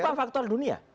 jangan lupa faktor dunia